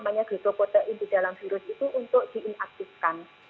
namanya glukoprotein di dalam virus itu untuk di inaktifkan